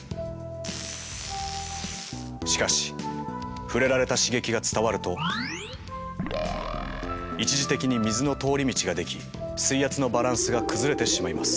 しかし触れられた刺激が伝わると一時的に水の通り道が出来水圧のバランスが崩れてしまいます。